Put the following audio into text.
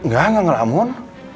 gak gak ngelamun